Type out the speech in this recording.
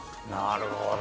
なるほど。